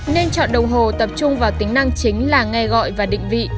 nên chọn đồng hồ tập trung vào tính năng chính là nghe gọi và định vị